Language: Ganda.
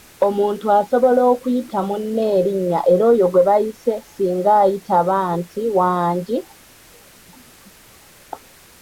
Omuntu asobola okuyita munne erinnya era oyo gwe bayise singa ayitaba nti "Wangi?